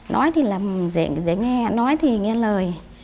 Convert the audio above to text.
nói thì dễ nghe nói thì nghe lời